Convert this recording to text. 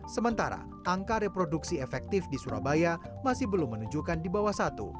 sementara angka reproduksi efektif di surabaya masih belum menunjukkan di bawah satu